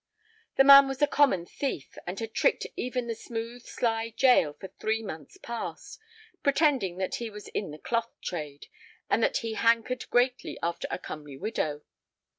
The man was a common thief, and had tricked even the smooth, sly Jael for three months past, pretending that he was in the cloth trade, and that he hankered greatly after a comely widow.